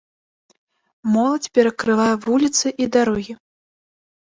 Моладзь перакрывае вуліцы і дарогі.